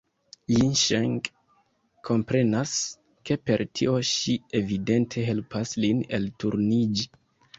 Jinŝeng komprenas, ke per tio ŝi evidente helpas lin elturniĝi.